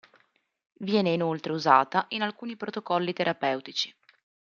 Viene inoltre usata in alcuni protocolli terapeutici.